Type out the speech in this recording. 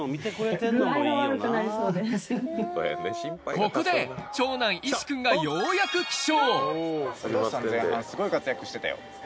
ここで、長男・一志くんが、ようやく起床。